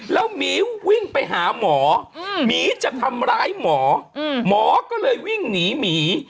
แล้วหมีวิ่งไปหาหมอหมีจะทำร้ายหมอหมอก็เลยวิ่งหนีหมี